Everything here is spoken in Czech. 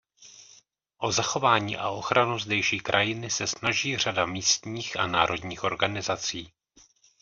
O zachování a ochranu zdejší krajiny se snaží řada místních a národních organizací.